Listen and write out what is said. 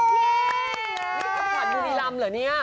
นี่ทำขวัญบุรีรำเหรอเนี่ย